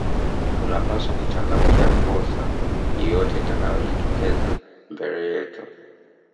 tunapaswa kuchangamkia fursa yeyote inayotokea mbele yetu